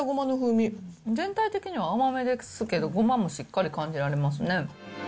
全体的には甘めですけど、ごまもしっかり感じられますね。